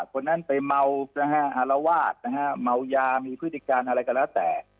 คนนั้นไปเมานะฮะอารวาสนะฮะเมายามีพฤติการอะไรก็แล้วแต่